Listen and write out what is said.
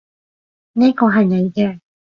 呢個係你嘅